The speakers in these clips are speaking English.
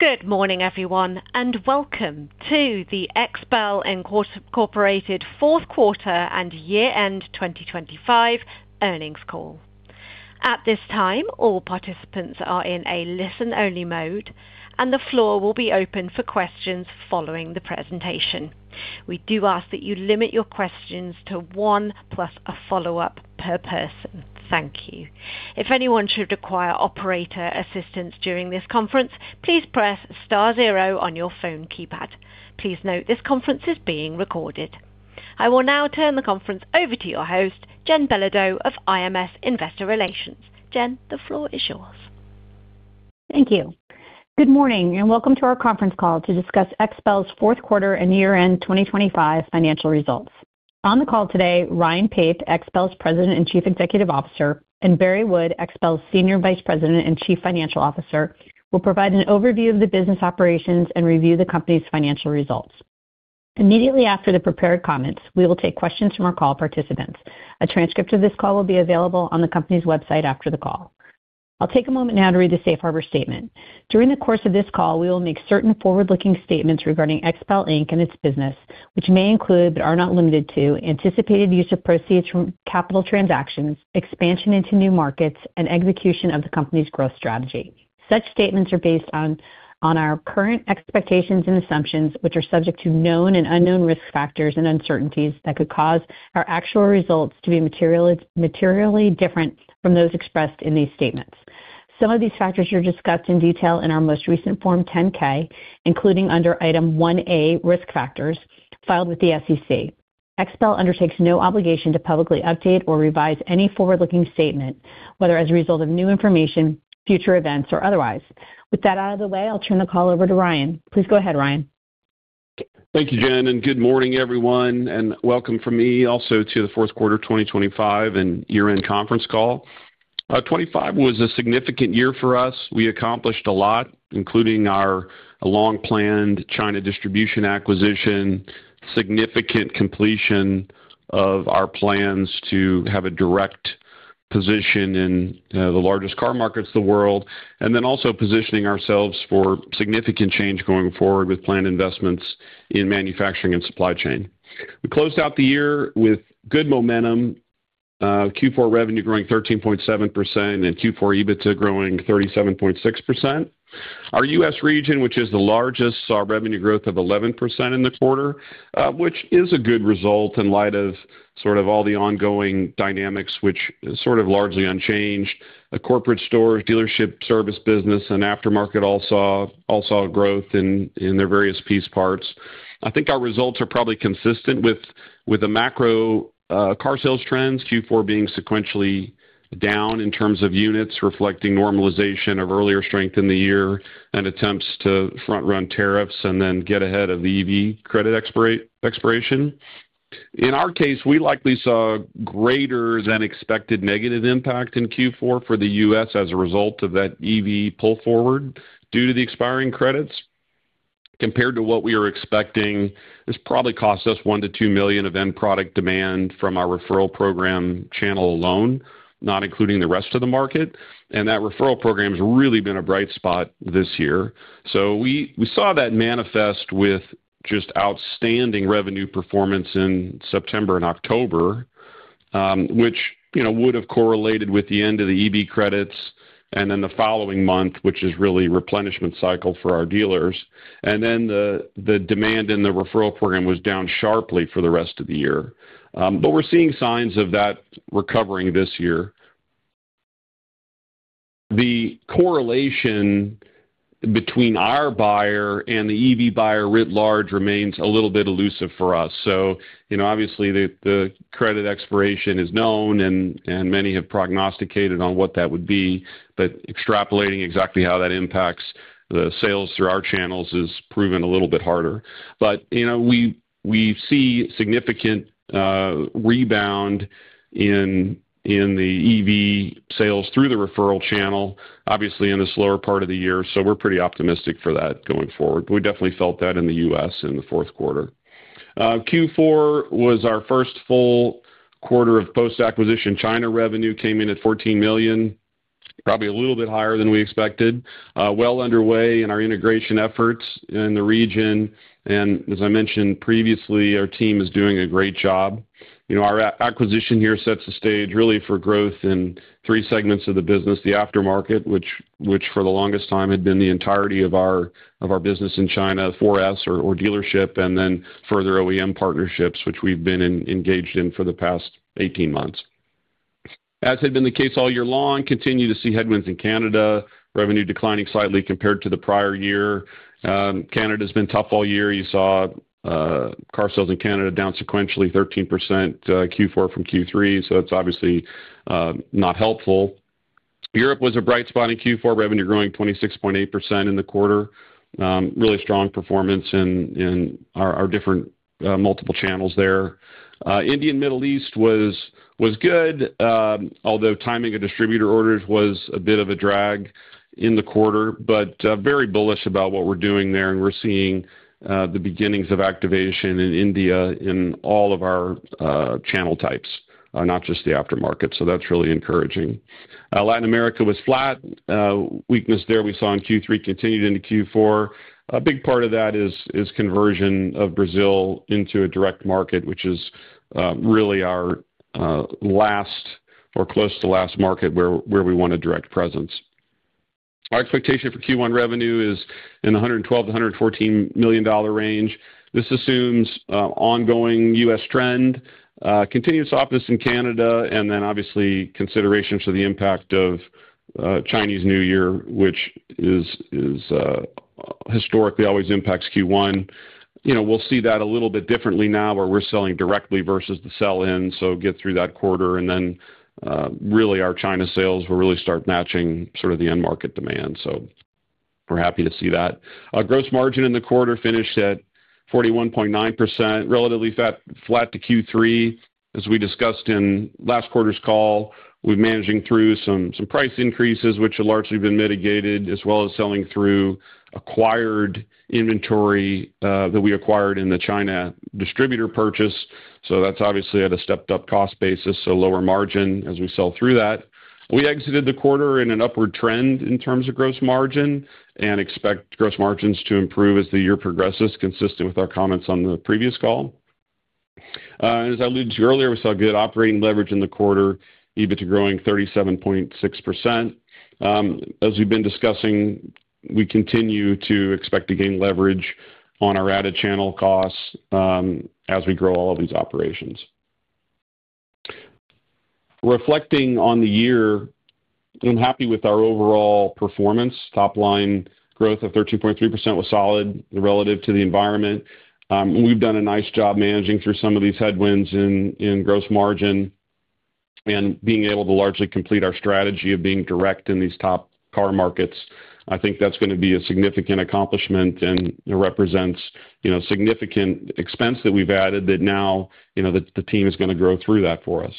Good morning, everyone, and welcome to the XPEL, Inc. fourth quarter and year-end 2025 earnings call. At this time, all participants are in a listen-only mode, and the floor will be open for questions following the presentation. We do ask that you limit your questions to one plus a follow-up per person. Thank you. If anyone should require operator assistance during this conference, please press star zero on your phone keypad. Please note, this conference is being recorded. I will now turn the conference over to your host, Jen Belodeau of IMS Investor Relations. Jen, the floor is yours. Thank you. Good morning, and welcome to our conference call to discuss XPEL's fourth quarter and year-end 2025 financial results. On the call today, Ryan Pape, XPEL's President and Chief Executive Officer, Barry Wood, XPEL's Senior Vice President and Chief Financial Officer, will provide an overview of the business operations and review the company's financial results. Immediately after the prepared comments, we will take questions from our call participants. A transcript of this call will be available on the company's website after the call. I'll take a moment now to read the Safe Harbor statement. During the course of this call, we will make certain forward-looking statements regarding XPEL, Inc. and its business, which may include, but are not limited to, anticipated use of proceeds from capital transactions, expansion into new markets, and execution of the company's growth strategy. Such statements are based on our current expectations and assumptions, which are subject to known and unknown risk factors and uncertainties that could cause our actual results to be materially different from those expressed in these statements. Some of these factors are discussed in detail in our most recent Form 10-K, including under Item 1A, Risk Factors, filed with the SEC. XPEL undertakes no obligation to publicly update or revise any forward-looking statement, whether as a result of new information, future events, or otherwise. With that out of the way, I'll turn the call over to Ryan. Please go ahead, Ryan. Thank you, Jen Belodeau, good morning, everyone, welcome from me also to the fourth quarter of 2025 and year-end conference call. 25 was a significant year for us. We accomplished a lot, including our long-planned China distribution acquisition, significant completion of our plans to have a direct position in the largest car markets in the world, also positioning ourselves for significant change going forward with planned investments in manufacturing and supply chain. We closed out the year with good momentum, Q4 revenue growing 13.7% and Q4 EBITDA growing 37.6%. Our US region, which is the largest, saw revenue growth of 11% in the quarter, which is a good result in light of sort of all the ongoing dynamics, which is sort of largely unchanged. A corporate store, dealership, service business and aftermarket all saw growth in their various piece parts. I think our results are probably consistent with the macro car sales trends, Q4 being sequentially down in terms of units, reflecting normalization of earlier strength in the year and attempts to front-run tariffs and then get ahead of the EV credit expiration. In our case, we likely saw greater than expected negative impact in Q4 for the U.S. as a result of that EV pull forward due to the expiring credits. Compared to what we were expecting, this probably cost us $1 million-$2 million of end product demand from our referral program channel alone, not including the rest of the market. That referral program has really been a bright spot this year. We saw that manifest with just outstanding revenue performance in September and October, which, you know, would have correlated with the end of the EV credits and then the following month, which is really replenishment cycle for our dealers. Then the demand in the referral program was down sharply for the rest of the year. We're seeing signs of that recovering this year. The correlation between our buyer and the EV buyer writ large remains a little bit elusive for us. You know, obviously, the credit expiration is known and many have prognosticated on what that would be, but extrapolating exactly how that impacts the sales through our channels has proven a little bit harder. You know, we see significant rebound in EV sales through the referral channel, obviously in the slower part of the year, so we're pretty optimistic for that going forward. We definitely felt that in the U.S. in the fourth quarter. Q4 was our first full quarter of post-acquisition. China revenue came in at $14 million, probably a little bit higher than we expected. Well underway in our integration efforts in the region. As I mentioned previously, our team is doing a great job. You know, our acquisition here sets the stage really for growth in three segments of the business: the aftermarket, which for the longest time had been the entirety of our business in China, 4S or dealership, and then further OEM partnerships, which we've been engaged in for the past 18 months. As had been the case all year long, continue to see headwinds in Canada, revenue declining slightly compared to the prior year. Canada's been tough all year. You saw car sales in Canada down sequentially, 13%, Q4 from Q3. That's obviously not helpful. Europe was a bright spot in Q4, revenue growing 26.8% in the quarter. Really strong performance in our different multiple channels there. India and Middle East was good, although timing of distributor orders was a bit of a drag in the quarter. Very bullish about what we're doing there, and we're seeing the beginnings of activation in India in all of our channel types, not just the aftermarket. That's really encouraging. Latin America was flat. Weakness there we saw in Q3 continued into Q4. A big part of that is conversion of Brazil into a direct market, which is really our last or close to last market where we want a direct presence. Our expectation for Q1 revenue is in the $112-$114 million range. This assumes ongoing US trend, continuous softness in Canada, obviously considerations for the impact of Chinese New Year, which is historically always impacts Q1. You know, we'll see that a little bit differently now, where we're selling directly versus the sell-in, get through that quarter, really, our China sales will really start matching sort of the end market demand. We're happy to see that. Our gross margin in the quarter finished at 41.9%, relatively flat to Q3. As we discussed in last quarter's call, we're managing through some price increases, which have largely been mitigated, as well as selling through acquired inventory, that we acquired in the China distributor purchase. That's obviously at a stepped-up cost basis, so lower margin as we sell through that. We exited the quarter in an upward trend in terms of gross margin and expect gross margins to improve as the year progresses, consistent with our comments on the previous call. As I alluded to you earlier, we saw good operating leverage in the quarter, EBITDA growing 37.6%. As we've been discussing, we continue to expect to gain leverage on our added channel costs, as we grow all of these operations. Reflecting on the year, I'm happy with our overall performance. Top-line growth of 13.3% was solid relative to the environment. We've done a nice job managing through some of these headwinds in gross margin and being able to largely complete our strategy of being direct in these top car markets. I think that's gonna be a significant accomplishment. It represents, you know, significant expense that we've added that now, you know, the team is gonna grow through that for us.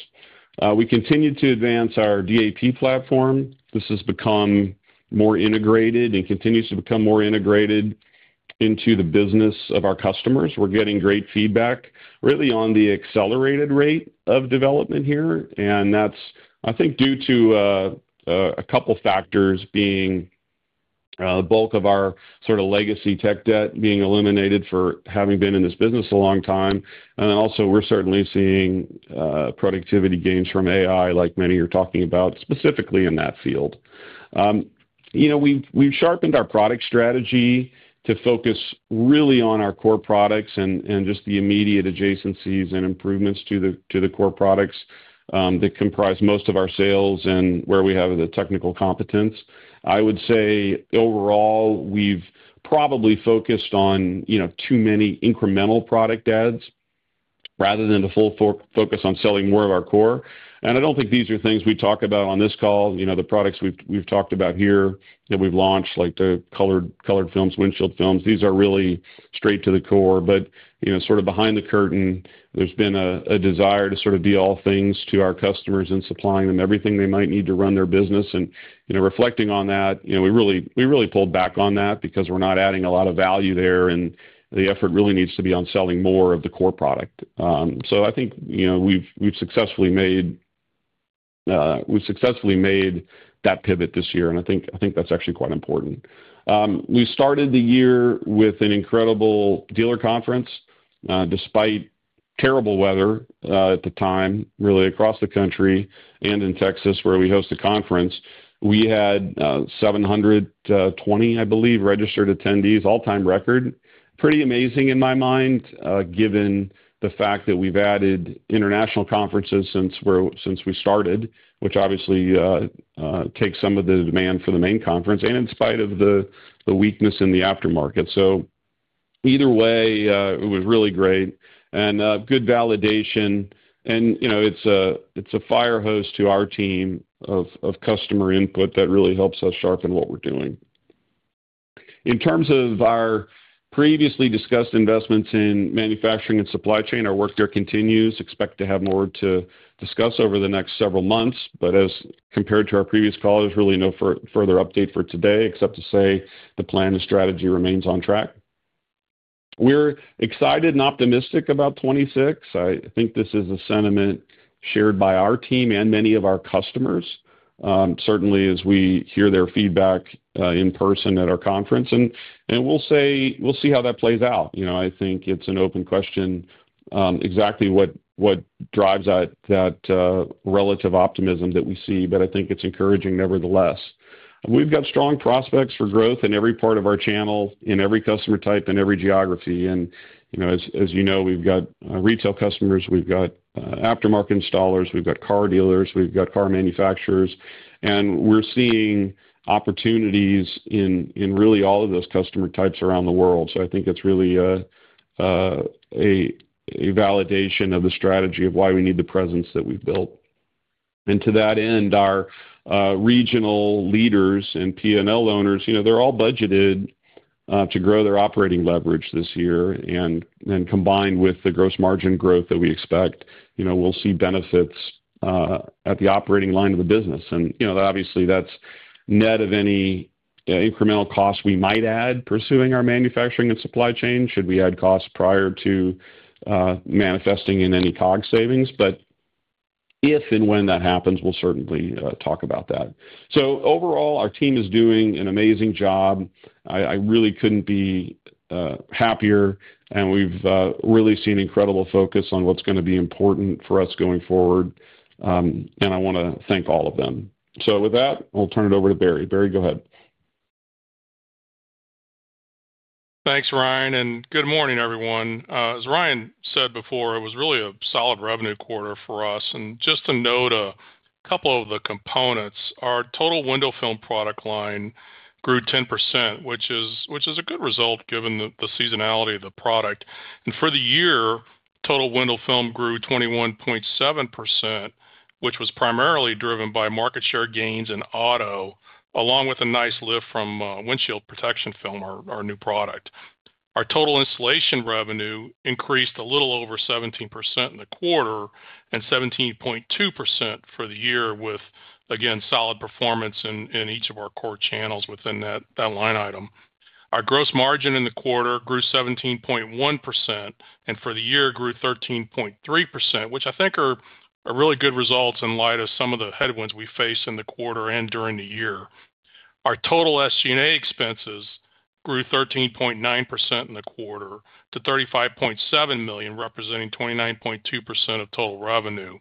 We continued to advance our DAP platform. This has become more integrated and continues to become more integrated into the business of our customers. We're getting great feedback, really on the accelerated rate of development here. That's, I think, due to a couple factors, being the bulk of our sort of legacy tech debt being eliminated for having been in this business a long time. Also, we're certainly seeing productivity gains from AI, like many are talking about, specifically in that field. You know, we've sharpened our product strategy to focus really on our core products and just the immediate adjacencies and improvements to the core products that comprise most of our sales and where we have the technical competence. I would say, overall, we've probably focused on, you know, too many incremental product adds rather than the full focus on selling more of our core. I don't think these are things we talk about on this call. You know, the products we've talked about here that we've launched, like the colored films, windshield films, these are really straight to the core. You know, sort of behind the curtain, there's been a desire to sort of be all things to our customers and supplying them everything they might need to run their business and, you know, reflecting on that, you know, we really pulled back on that because we're not adding a lot of value there, and the effort really needs to be on selling more of the core product. I think, you know, we've successfully made that pivot this year, and I think that's actually quite important. We started the year with an incredible dealer conference, despite terrible weather at the time, really across the country and in Texas, where we host a conference. We had 720, I believe, registered attendees, all-time record. Pretty amazing in my mind, given the fact that we've added international conferences since we started, which obviously takes some of the demand for the main conference, and in spite of the weakness in the aftermarket. Either way, it was really great and good validation and, you know, it's a fire hose to our team of customer input that really helps us sharpen what we're doing. In terms of our previously discussed investments in manufacturing and supply chain, our work there continues. Expect to have more to discuss over the next several months, as compared to our previous call, there's really no further update for today, except to say the plan and strategy remains on track. We're excited and optimistic about 2026. I think this is a sentiment shared by our team and many of our customers, certainly as we hear their feedback, in person at our conference. And we'll say... We'll see how that plays out. You know, I think it's an open question, exactly what drives that relative optimism that we see, but I think it's encouraging nevertheless. We've got strong prospects for growth in every part of our channel, in every customer type and every geography. And, you know, as you know, we've got retail customers, we've got aftermarket installers, we've got car dealers, we've got car manufacturers, and we're seeing opportunities in really all of those customer types around the world. So I think that's really a validation of the strategy of why we need the presence that we've built. To that end, our regional leaders and PNL owners, you know, they're all budgeted to grow their operating leverage this year. Then combined with the gross margin growth that we expect, you know, we'll see benefits at the operating line of the business. You know, obviously, that's net of any incremental costs we might add, pursuing our manufacturing and supply chain, should we add costs prior to manifesting in any COGS savings. If and when that happens, we'll certainly talk about that. Overall, our team is doing an amazing job. I really couldn't be happier, and we've really seen incredible focus on what's gonna be important for us going forward, and I want to thank all of them. With that, I'll turn it over to Barry. Barry, go ahead. Thanks, Ryan. Good morning, everyone. As Ryan said before, it was really a solid revenue quarter for us. Just to note a couple of the components, our total window film product line grew 10%, which is a good result given the seasonality of the product. For the year, total window film grew 21.7%, which was primarily driven by market share gains in auto, along with a nice lift from Windshield Protection Film, our new product. Our total installation revenue increased a little over 17% in the quarter and 17.2% for the year, with, again, solid performance in each of our core channels within that line item. Our gross margin in the quarter grew 17.1%, and for the year grew 13.3%, which I think are really good results in light of some of the headwinds we faced in the quarter and during the year. Our total SG&A expenses grew 13.9% in the quarter to $35.7 million, representing 29.2% of total revenue.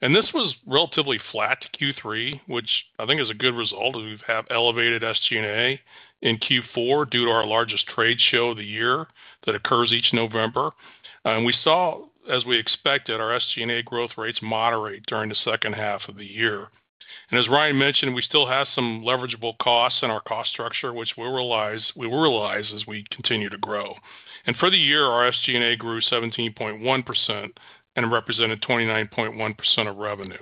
This was relatively flat to Q3, which I think is a good result, as we've have elevated SG&A in Q4 due to our largest trade show of the year that occurs each November. We saw, as we expected, our SG&A growth rates moderate during the second half of the year. As Ryan mentioned, we still have some leverageable costs in our cost structure, which we will realize as we continue to grow. For the year, our SG&A grew 17.1% and represented 29.1% of revenue.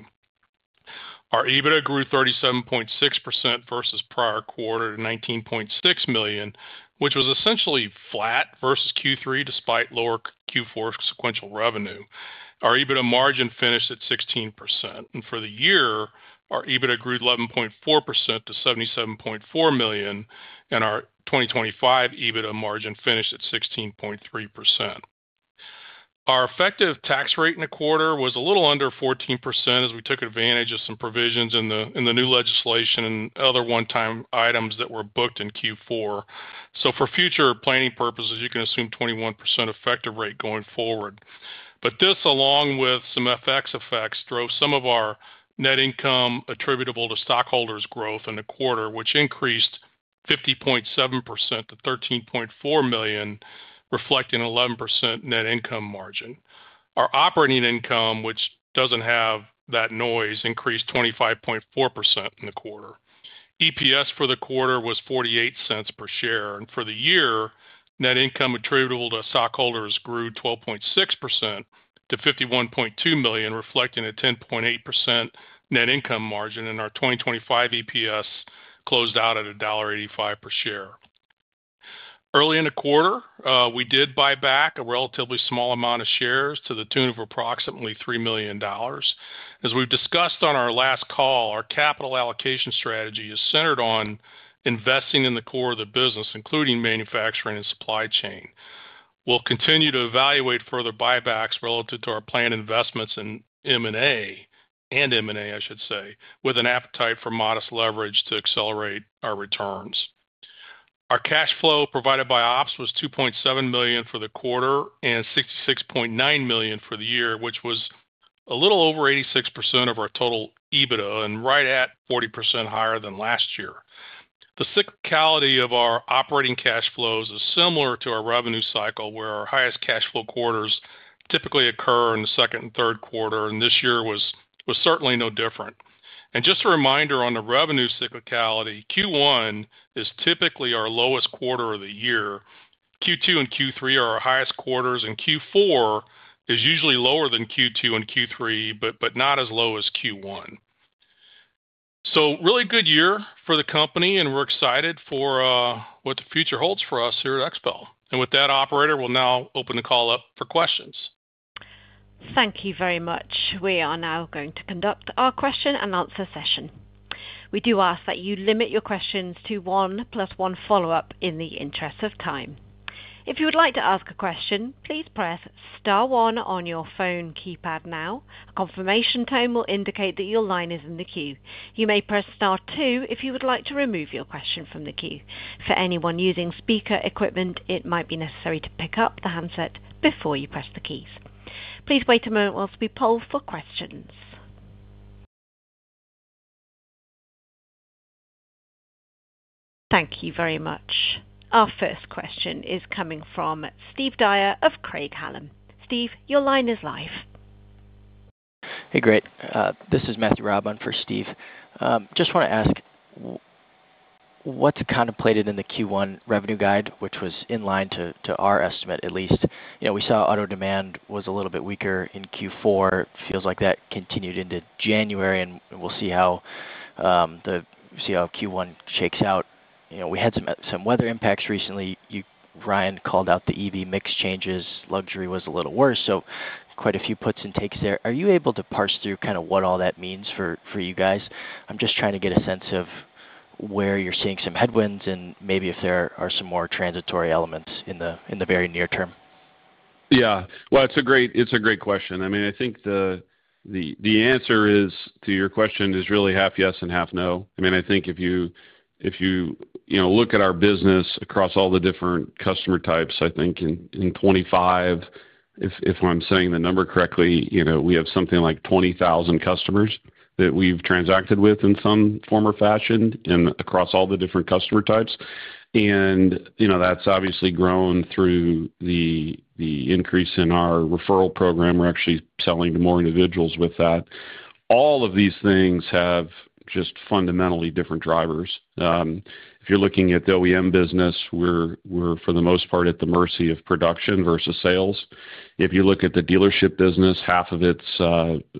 Our EBITDA grew 37.6% versus prior quarter to $19.6 million, which was essentially flat versus Q3, despite lower Q4 sequential revenue. Our EBITDA margin finished at 16%, and for the year, our EBITDA grew 11.4% to $77.4 million, and our 2025 EBITDA margin finished at 16.3%. Our effective tax rate in the quarter was a little under 14%, as we took advantage of some provisions in the new legislation and other one-time items that were booked in Q4. For future planning purposes, you can assume 21% effective rate going forward. This, along with some FX effects, drove some of our net income attributable to stockholders' growth in the quarter, which increased 50.7% to $13.4 million, reflecting 11% net income margin. Our operating income, which doesn't have that noise, increased 25.4% in the quarter. EPS for the quarter was $0.48 per share, and for the year, net income attributable to stockholders grew 12.6% to $51.2 million, reflecting a 10.8% net income margin, and our 2025 EPS closed out at $1.85 per share. Early in the quarter, we did buy back a relatively small amount of shares to the tune of approximately $3 million. As we've discussed on our last call, our capital allocation strategy is centered on investing in the core of the business, including manufacturing and supply chain. We'll continue to evaluate further buybacks relative to our planned investments in M&A, and M&A, I should say, with an appetite for modest leverage to accelerate our returns. Our cash flow provided by ops was $2.7 million for the quarter and $66.9 million for the year, which was a little over 86% of our total EBITDA and right at 40% higher than last year. The cyclicality of our operating cash flows is similar to our revenue cycle, where our highest cash flow quarters typically occur in the second and third quarter, this year was certainly no different. Just a reminder, on the revenue cyclicality, Q1 is typically our lowest quarter of the year. Q2 and Q3 are our highest quarters, and Q4 is usually lower than Q2 and Q3, but not as low as Q1. Really good year for the company, and we're excited for what the future holds for us here at XPEL. With that operator, we'll now open the call up for questions. Thank you very much. We are now going to conduct our question-and-answer session. We do ask that you limit your questions to one plus one follow-up in the interest of time. If you would like to ask a question, please press star one on your phone keypad now. A confirmation tone will indicate that your line is in the queue. You may press star two if you would like to remove your question from the queue. For anyone using speaker equipment, it might be necessary to pick up the handset before you press the keys. Please wait a moment whilst we poll for questions. Thank you very much. Our first question is coming from Steve Dyer of Craig-Hallum. Steve, your line is live. Hey, great. This is Matthew Robison for Steve. Just want to ask, What's contemplated in the Q1 revenue guide, which was in line to our estimate, at least? You know, we saw auto demand was a little bit weaker in Q4. Feels like that continued into January, and we'll see how Q1 shakes out. You know, we had some weather impacts recently. You, Ryan, called out the EV mix changes. Luxury was a little worse, so quite a few puts and takes there. Are you able to parse through kind of what all that means for you guys? I'm just trying to get a sense of where you're seeing some headwinds and maybe if there are some more transitory elements in the, in the very near term. Well, it's a great question. I mean, I think the answer is, to your question, is really half yes and half no. I mean, I think if you know, look at our business across all the different customer types, I think in 25, if I'm saying the number correctly, you know, we have something like 20,000 customers that we've transacted with in some form or fashion and across all the different customer types. You know, that's obviously grown through the increase in our referral program. We're actually selling to more individuals with that. All of these things have just fundamentally different drivers. If you're looking at the OEM business, we're, for the most part, at the mercy of production versus sales. If you look at the dealership business, half of it's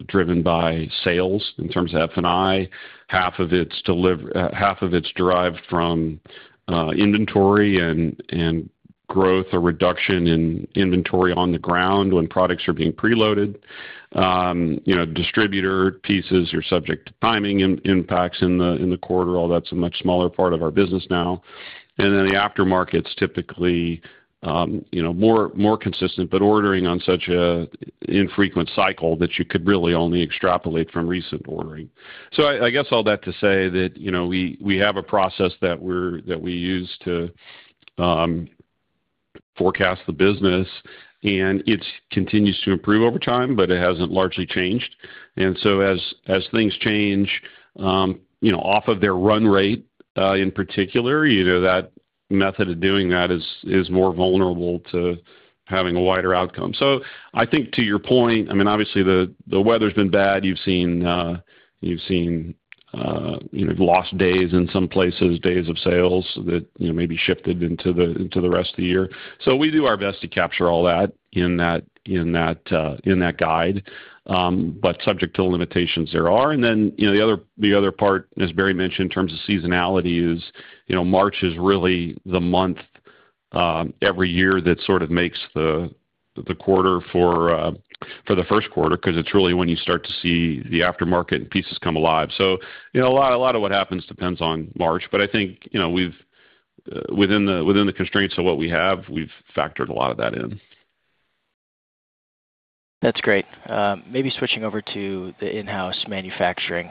driven by sales in terms of F&I, half of it's derived from inventory and growth or reduction in inventory on the ground when products are being preloaded. You know, distributor pieces are subject to timing and impacts in the, in the quarter. Although that's a much smaller part of our business now. The aftermarket's typically, you know, more consistent, but ordering on such a infrequent cycle that you could really only extrapolate from recent ordering. I guess all that to say that, you know, we have a process that we use to forecast the business, and it's continues to improve over time, but it hasn't largely changed. As things change, you know, off of their run rate, in particular, you know, that method of doing that is more vulnerable to having a wider outcome. I think to your point, I mean, obviously, the weather's been bad. You've seen, you know, lost days in some places, days of sales that, you know, maybe shifted into the rest of the year. We do our best to capture all that in that guide, but subject to the limitations there are. You know, the other part, as Barry mentioned, in terms of seasonality, is, you know, March is really the month every year that sort of makes the quarter for the first quarter, 'cause it's really when you start to see the aftermarket and pieces come alive. You know, a lot of what happens depends on March, but I think, you know, we've within the within the constraints of what we have, we've factored a lot of that in. That's great. Maybe switching over to the in-house manufacturing.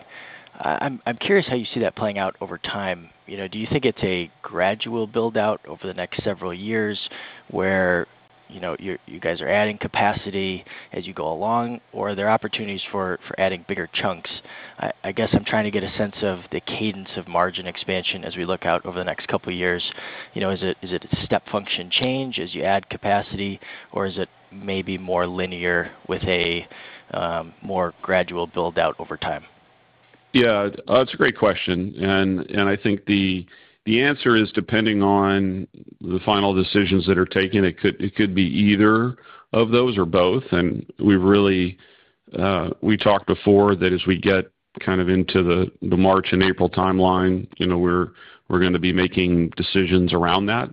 I'm curious how you see that playing out over time. You know, do you think it's a gradual build-out over the next several years, where, you know, you guys are adding capacity as you go along, or are there opportunities for adding bigger chunks? I guess I'm trying to get a sense of the cadence of margin expansion as we look out over the next couple of years. You know, is it a step function change as you add capacity, or is it maybe more linear with a more gradual build-out over time? Yeah, it's a great question, and I think the answer is, depending on the final decisions that are taken, it could, it could be either of those or both. We really, we talked before that as we get kind of into the March and April timeline, you know, we're gonna be making decisions around that.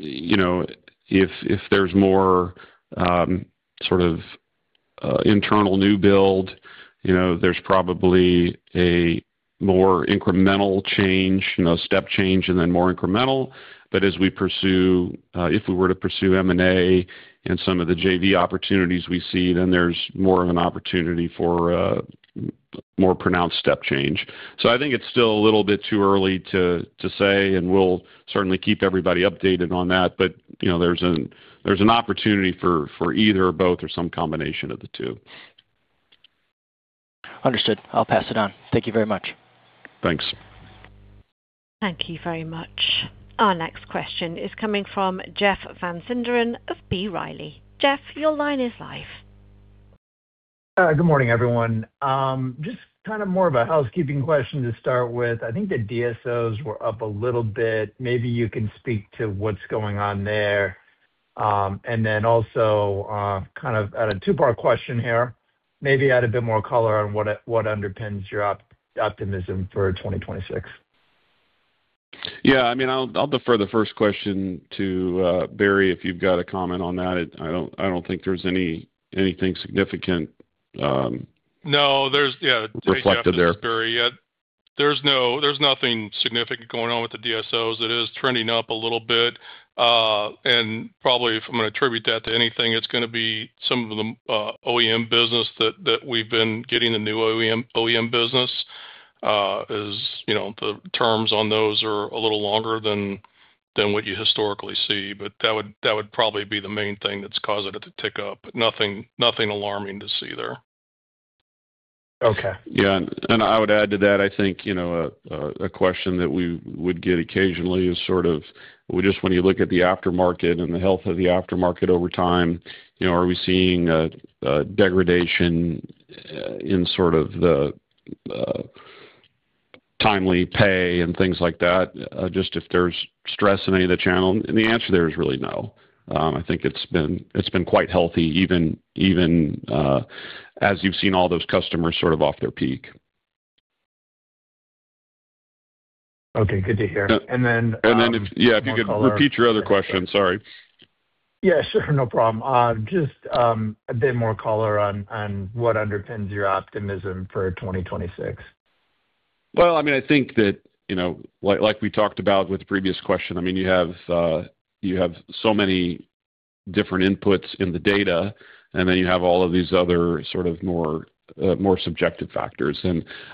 You know, if there's more, sort of, internal new build, you know, there's probably a more incremental change, you know, step change and then more incremental. As we pursue, if we were to pursue M&A and some of the JV opportunities we see, then there's more of an opportunity for a more pronounced step change. I think it's still a little bit too early to say, and we'll certainly keep everybody updated on that, but, you know, there's an opportunity for either or both or some combination of the two. Understood. I'll pass it on. Thank you very much. Thanks. Thank you very much. Our next question is coming from Jeff Van Sinderen of B. Riley. Jeff, your line is live. Good morning, everyone. Just kind of more of a housekeeping question to start with. I think the DSO were up a little bit. Maybe you can speak to what's going on there. Then also, kind of at a two-part question here, maybe add a bit more color on what underpins your optimism for 2026. Yeah, I mean, I'll defer the first question to Barry, if you've got a comment on that. I don't, I don't think there's anything significant. No, there's... Yeah. Reflected there. Barry, there's nothing significant going on with the DSO. It is trending up a little bit, and probably, if I'm gonna attribute that to anything, it's gonna be some of the OEM business that we've been getting. The new OEM business, you know, the terms on those are a little longer than what you historically see, but that would probably be the main thing that's causing it to tick up. Nothing, nothing alarming to see there. Okay. Yeah, I would add to that, I think, you know, a question that we would get occasionally is sort of, Well, just when you look at the aftermarket and the health of the aftermarket over time, you know, are we seeing a degradation in sort of the timely pay and things like that, just if there's stress in any of the channel? The answer there is really no. I think it's been quite healthy, even as you've seen all those customers sort of off their peak. Okay, good to hear. Yeah, if you could repeat your other question, sorry. Yeah, sure. No problem. Just a bit more color on what underpins your optimism for 2026. I mean, I think that, you know, like we talked about with the previous question, I mean, you have, you have so many different inputs in the data, and then you have all of these other sort of more, more subjective factors.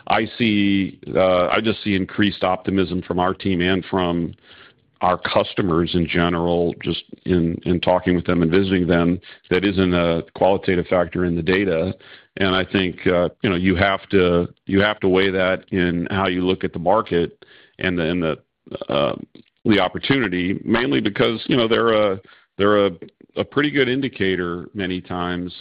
I see, I just see increased optimism from our team and from our customers in general, just in talking with them and visiting them. That isn't a qualitative factor in the data, and I think, you know, you have to, you have to weigh that in how you look at the market and then the opportunity. Mainly because, you know, they're a, they're a pretty good indicator many times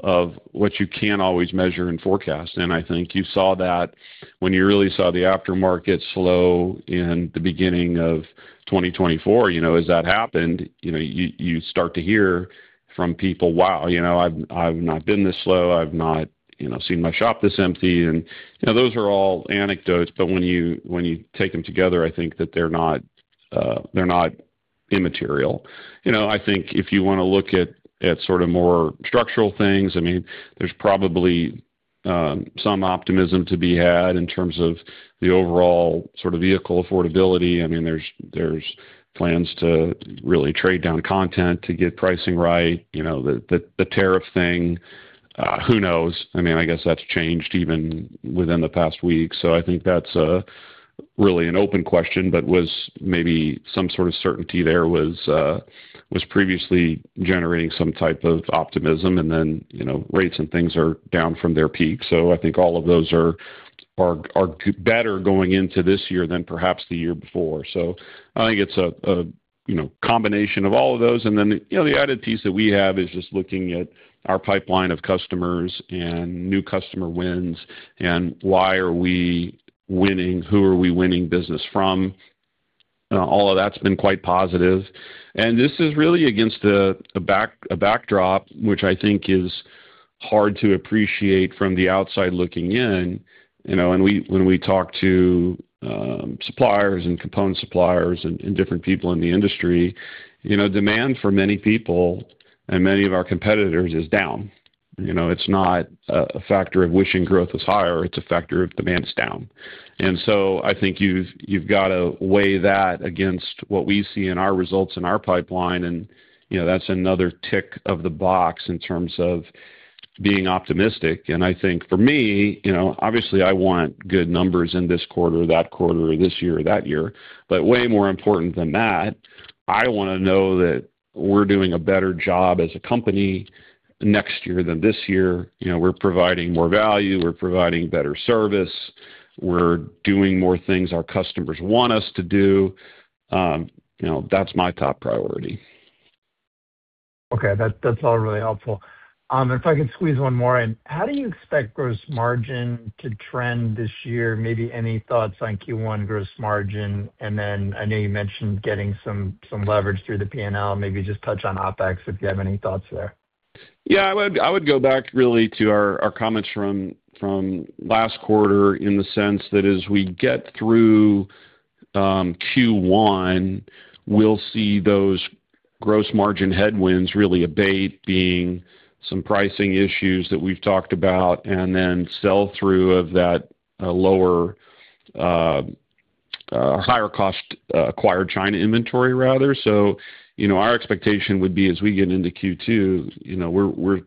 of what you can't always measure and forecast. I think you saw that when you really saw the aftermarket slow in the beginning of 2024. You know, as that happened, you know, you start to hear from people, "Wow, you know, I've not been this slow. I've not, you know, seen my shop this empty." You know, those are all anecdotes, but when you take them together, I think that they're not, they're not immaterial. You know, I think if you want to look at sort of more structural things, I mean, there's probably some optimism to be had in terms of the overall sort of vehicle affordability. I mean, there's plans to really trade down content to get pricing right. You know, the tariff thing, who knows? I mean, I guess that's changed even within the past week. I think that's really an open question, but was maybe some sort of certainty there was previously generating some type of optimism, and then, you know, rates and things are down from their peak. I think all of those are better going into this year than perhaps the year before. I think it's a, you know, combination of all of those. You know, the added piece that we have is just looking at our pipeline of customers and new customer wins and why are we winning, who are we winning business from? All of that's been quite positive, and this is really against a backdrop, which I think is hard to appreciate from the outside looking in. You know, when we talk to suppliers and component suppliers and different people in the industry, you know, demand for many people and many of our competitors is down. You know, it's not a factor of wishing growth was higher, it's a factor of demand is down. I think you've got to weigh that against what we see in our results in our pipeline, you know, that's another tick of the box in terms of being optimistic. I think for me, you know, obviously I want good numbers in this quarter, that quarter, or this year or that year, but way more important than that, I want to know that we're doing a better job as a company next year than this year. You know, we're providing more value, we're providing better service, we're doing more things our customers want us to do. You know, that's my top priority. Okay, that's all really helpful. If I could squeeze one more in: How do you expect gross margin to trend this year? Maybe any thoughts on Q1 gross margin? I know you mentioned getting some leverage through the P&L. Maybe just touch on OpEx, if you have any thoughts there? Yeah, I would go back really to our comments from last quarter in the sense that as we get through Q1, we'll see those gross margin headwinds really abate, being some pricing issues that we've talked about, and then sell-through of that lower higher cost acquired China inventory rather. Our expectation would be as we get into Q2,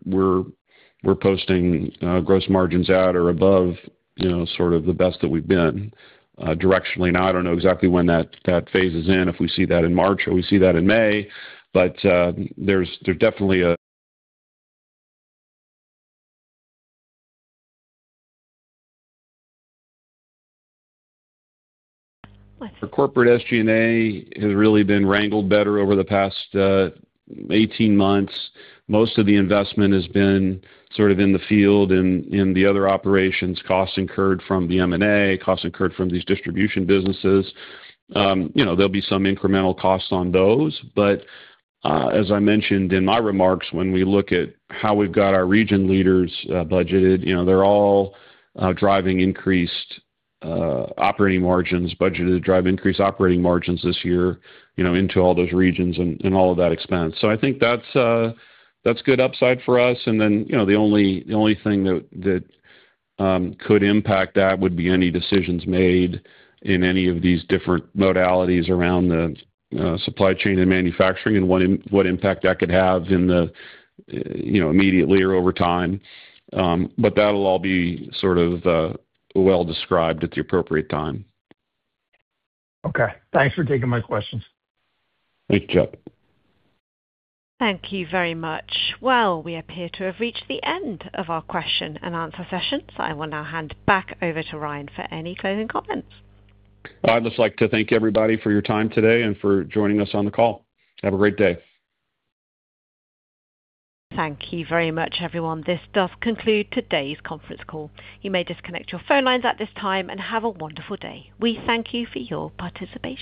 we're posting gross margins at or above sort of the best that we've been directionally. Now, I don't know exactly when that phases in, if we see that in March or we see that in May, but there's definitely a. Our corporate SG&A has really been wrangled better over the past 18 months. Most of the investment has been sort of in the field and in the other operations, costs incurred from the M&A, costs incurred from these distribution businesses. you know, there'll be some incremental costs on those. as I mentioned in my remarks, when we look at how we've got our region leaders, budgeted, you know, they're all driving increased operating margins, budgeted to drive increased operating margins this year, you know, into all those regions and all of that expense. I think that's good upside for us, you know, the only thing that could impact that would be any decisions made in any of these different modalities around the supply chain and manufacturing and what impact that could have in the, you know, immediately or over time. That'll all be sort of, well described at the appropriate time. Okay, thanks for taking my questions. Thank you. Thank you very much. Well, we appear to have reached the end of our question and answer session, so I will now hand back over to Ryan for any closing comments. I'd just like to thank everybody for your time today and for joining us on the call. Have a great day. Thank you very much, everyone. This does conclude today's conference call. You may disconnect your phone lines at this time and have a wonderful day. We thank you for your participation.